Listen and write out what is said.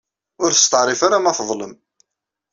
Ur testeɛrif ara ma teḍlem.